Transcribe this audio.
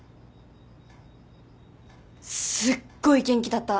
すっごい元気だった。